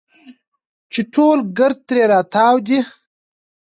چې ټول ګرد ترې راتاو دي.